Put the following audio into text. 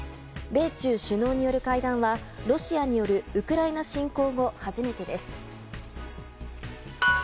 米中首脳による会談はロシアによるウクライナ侵攻後初めてです。